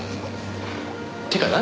てかな